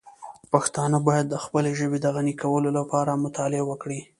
پښتانه باید د خپلې ژبې د غني کولو لپاره مطالعه وکړي.